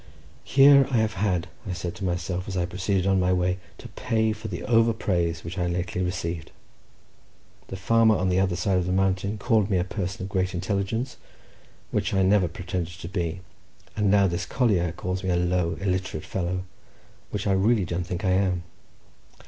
"Here I have had," said I to myself, as I proceeded on my way, "to pay for the over praise which I lately received. The farmer on the other side of the mountain called me a person of great intelligence, which I never pretended to be, and now this collier calls me a low, illiterate fellow, which I really don't think I am.